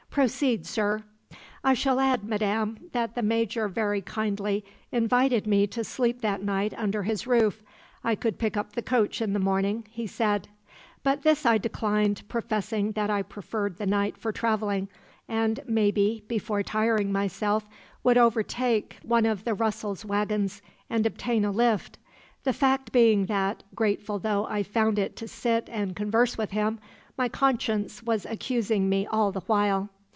"Proceed, sir." "I shall add, madam, that the Major very kindly invited me to sleep that night under his roof. I could pick up the coach in the morning (he said). But this I declined, professing that I preferred the night for travelling, and maybe, before tiring myself, would overtake one of Russell's waggons and obtain a lift; the fact being that, grateful though I found it to sit and converse with him, my conscience was accusing me all the while.